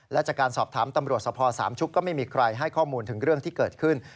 และจากการสอบถามตำรวจสภสามชุกก็ไม่มีใครให้ข้อมูลถึงเรื่องที่เกิดขึ้น